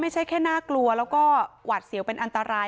ไม่ใช่แค่น่ากลัวแล้วก็หวาดเสียวเป็นอันตราย